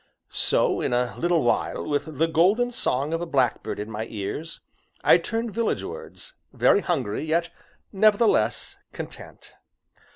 So, in a little while, with the golden song of a blackbird in my ears, I turned village wards, very hungry, yet, nevertheless, content.